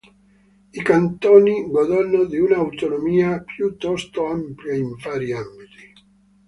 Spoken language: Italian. I Cantoni godono di una autonomia piuttosto ampia in vari ambiti.